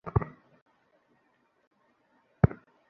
তোমার পাশে থাকতে চাই।